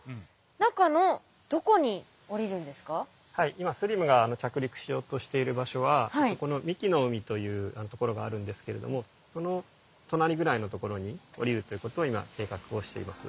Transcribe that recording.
今ＳＬＩＭが着陸しようとしている場所はこの神酒の海というところがあるんですけれどもその隣ぐらいのところに降りるということを今計画をしています。